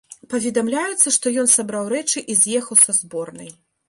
Паведамляецца, што ён сабраў рэчы і з'ехаў са зборнай.